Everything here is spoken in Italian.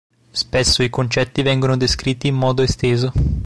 Spesso i concetti vengono descritti in modo esteso.